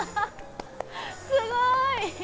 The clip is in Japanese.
すごい！